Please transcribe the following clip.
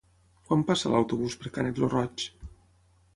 Quan passa l'autobús per Canet lo Roig?